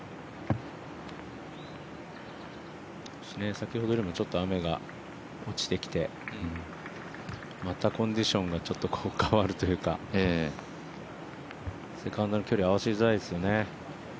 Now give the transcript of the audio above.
先ほどよりもちょっと雨が落ちてきてまた、コンディションが変わるというかセカンドの距離、合わせづらいですよね。